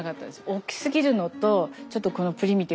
大きすぎるのとちょっとこのプリミティブな感じが。